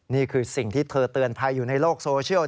นี่คือสิ่งที่เธอเตือนภัยอยู่ในโลกโซเชียล